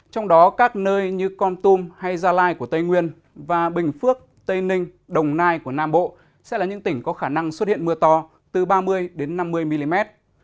trong đó các nơi như con tum hay gia lai của tây nguyên và bình phước tây ninh đồng nai của nam bộ sẽ là những tỉnh có khả năng xuất hiện mưa to từ ba mươi năm mươi mm